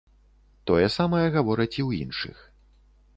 Тое самае гавораць і ў іншых.